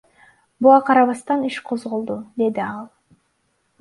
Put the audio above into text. Буга карабастан иш козголду, — деди ал.